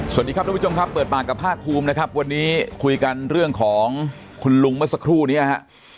สวัสดีครับทุกผู้ชมครับเปิดปากกับภาคภูมินะครับวันนี้คุยกันเรื่องของคุณลุงเมื่อสักครู่นี้ฮะ